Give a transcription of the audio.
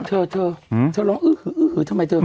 เธอเธอลองทำไมเธอ